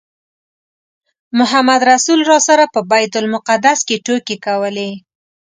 محمدرسول راسره په بیت المقدس کې ټوکې کولې.